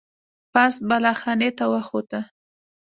پاس بالا خانې ته وخوته.